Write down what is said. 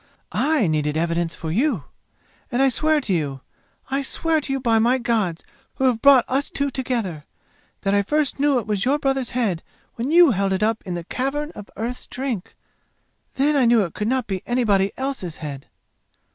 I needed evidence for you. And I swear to you I swear to you by my gods who have brought us two together that I first knew it was your brother's head when you held it up in the Cavern of Earth's Drink! Then I knew it could not be anybody else's head!"